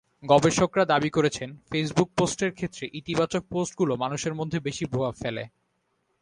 গবেষকেরা দাবি করেছেন, ফেসবুক পোস্টের ক্ষেত্রে ইতিবাচক পোস্টগুলো মানুষের মধ্যে বেশি প্রভাব ফেলে।